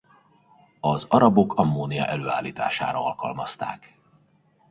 Az arabok ammónia előállítására alkalmazták.